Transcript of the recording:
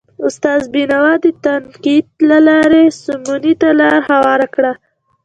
استناد بینوا د تنقید له لارې سمونې ته لار هواره کړه.